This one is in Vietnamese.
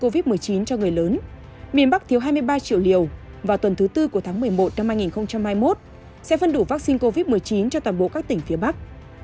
covid một mươi chín cho người lớn miền bắc thiếu hai mươi ba triệu liều vào tuần thứ tư của tháng một mươi một năm hai nghìn hai mươi một sẽ phân đủ vaccine covid một mươi chín cho toàn bộ các tỉnh phía bắc